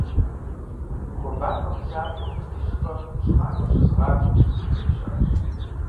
Хуабапӏэм мылъатэу ди щӏыпӏэм щӏымахуэр щызыгъакӏуэ бзухэри щыӏэщ.